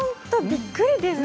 びっくりです。